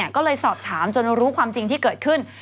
ก็เลยสอบถามจนรู้ความจริงที่เกิดขึ้น